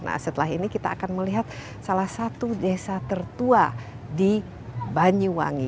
nah setelah ini kita akan melihat salah satu desa tertua di banyuwangi